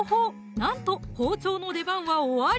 なんと包丁の出番は終わり！